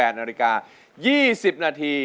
นาฬิกา๒๐นาที